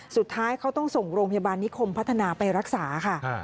สุดท้ายเขาต้องส่งโรงพยาบาลนิคมพัฒนาไปรักษาค่ะ